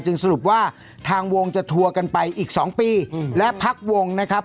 สรุปว่าทางวงจะทัวร์กันไปอีก๒ปีและพักวงนะครับ